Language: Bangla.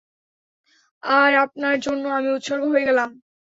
আর আপনার জন্য আমি উৎসর্গ হয়ে গেলাম।